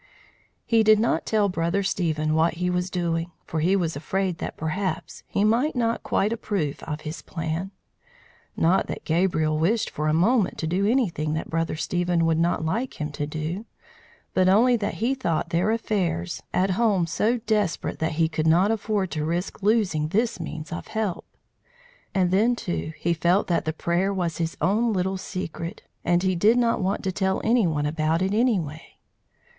He did not tell Brother Stephen what he was doing, for he was afraid that perhaps he might not quite approve of his plan. Not that Gabriel wished for a moment to do anything that Brother Stephen would not like him to do, but only that he thought their affairs at home so desperate that he could not afford to risk losing this means of help; and then, too, he felt that the prayer was his own little secret, and he did not want to tell any one about it anyway.